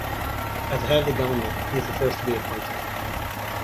As the head of government, he is the first to be appointed.